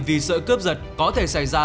vì sự cướp giật có thể xảy ra